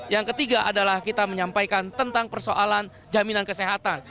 yang ketiga adalah kita menyampaikan tentang persoalan jaminan kesehatan